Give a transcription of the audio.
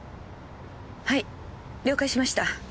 はい了解しました。